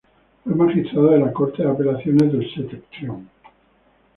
Fue Magistrado de la Corte de Apelaciones del Septentrión.